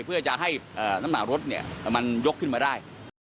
เพื่อจะให้น้ำหนักรถมันยกขึ้นมาได้